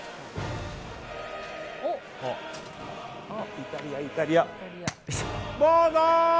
イタリア、イタリア。